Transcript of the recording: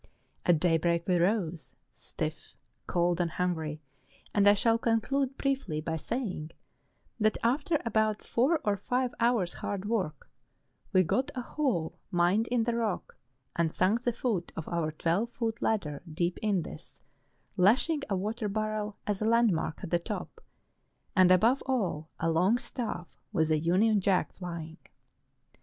At day break we rose, stiff, cold, and hungry, and I shall conclude briefly by saying that, after about four or five hours' hard work, we got a hole mined in the rock, and sunk the foot of our twelve foot ladder deep in this, lashing a water barrel, as a landmark, at the top ; and, above all, a long staff, with a union jack flying.